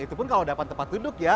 itu pun kalau dapat tempat duduk ya